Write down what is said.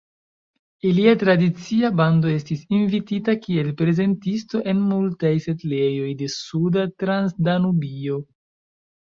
Ilia "tradicia bando" estis invitita kiel prezentisto en multaj setlejoj de Suda Transdanubio.